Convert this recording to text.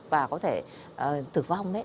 và có thể tử vong